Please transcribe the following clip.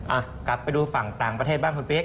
อ่ะกลับไปดูฝั่งต่างประเทศบ้างคุณปิ๊ก